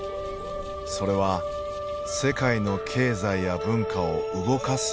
それは世界の経済や文化を動かす道だった。